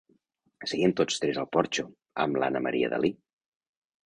Seiem tots tres al porxo, amb l'Anna Maria Dalí.